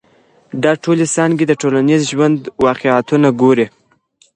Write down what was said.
دا ټولي څانګي د ټولنیز ژوند واقعیتونه ګوري.